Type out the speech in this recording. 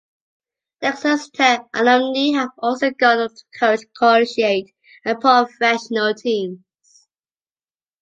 Texas Tech alumni have also gone on to coach collegiate and professional teams.